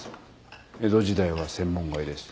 江戸時代は専門外です。